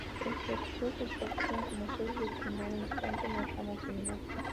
Ejerció su profesión como juez de primera instancia en el ramo criminal.